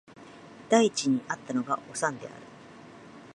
第一に逢ったのがおさんである